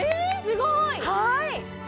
すごーい！